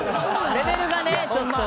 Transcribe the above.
レベルがねちょっと。